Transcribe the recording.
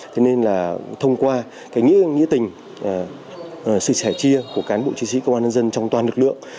thế nên là thông qua cái nghĩa tình sự sẻ chia của cán bộ chiến sĩ công an nhân dân trong toàn lực lượng